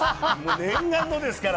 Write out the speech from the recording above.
念願のですから。